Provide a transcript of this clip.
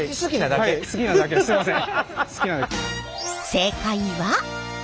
正解は？